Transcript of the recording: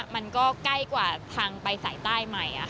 มันก็ใกล้กว่าทางไปสายใต้ใหม่